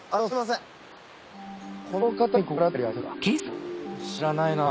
ん知らないなぁ。